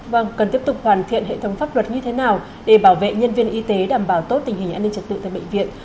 vâng cần tiếp tục hoàn thiện hệ thống pháp luật như thế nào để bảo vệ nhân viên y tế đảm bảo tốt tình hình an ninh trật tự tại bệnh viện